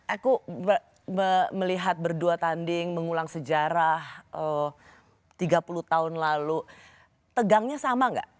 aku melihat berdua tanding mengulang sejarah tiga puluh tahun lalu tegangnya sama nggak